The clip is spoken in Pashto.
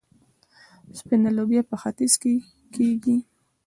سپینه لوبیا په ختیځ کې کیږي.